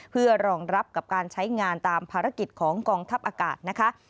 เพื่อรองรับกับการใช้งานตามภารกิจของกองทัพอากาศนะคะ